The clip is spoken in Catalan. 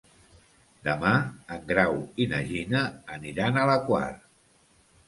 Demà en Grau i na Gina aniran a la Quar.